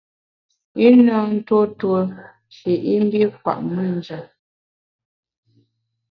I na ntuo tuo shi i mbi kwet me njap.